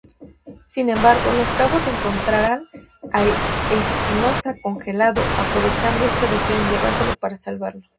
Sin embargo, los cabos encontraran a Espinoza congelado, aprovechando esto deciden llevárselo para salvarlo.